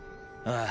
ああ。